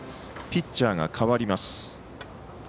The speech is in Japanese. ピッチャーが代わります。